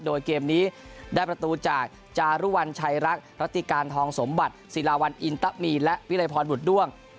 โดยเกมนี้ได้ประตูจากจารุวัลชัยรักรัติการทองสมบัติศิลาวันอินตะมีและวิรัยพรบุตรด้วง